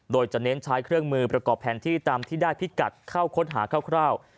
โดยจะเน้นใช้เครื่องมือประกอบแผนที่ตามที่ได้พิกัดเข้าค้นหาคร่าว